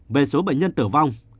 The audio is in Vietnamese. về số bệnh nhân tử vong